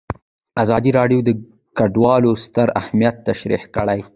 ازادي راډیو د کډوال ستر اهميت تشریح کړی.